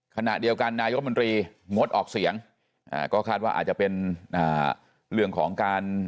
ขณะเดียวกันนายรัฐมนตรีงดออกเสียงก็คาดว่าอาจจะเป็นเรื่องของการ